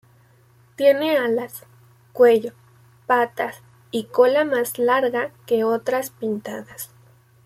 Tiene alas, cuello, patas y cola más larga que otras pintadas.